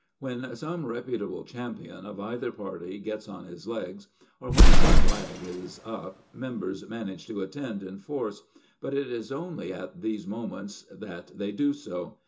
When some reputable champion of either party gets on his legs, or when some wag is up, members manage to attend in force; but it is only at these moments that they do so.